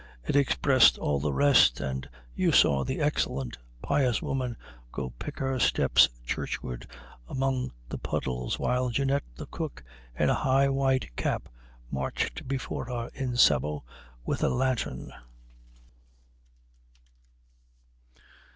It expressed all the rest, and you saw the excellent, pious woman go pick her steps churchward among the puddles, while Jeannette, the cook, in a high white cap, marched before her in sabots with a lantern.